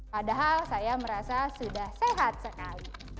padahal saya merasa sudah sehat sekali